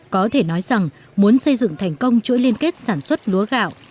có thể nói rằng muốn xây dựng thành công chuỗi liên kết sản xuất lúa gạo